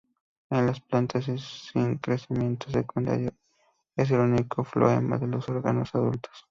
En las plantas sin crecimiento secundario, es el único floema de los órganos adultos.